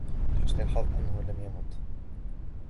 لِخُسن الحظ أنهُ لم يمُت.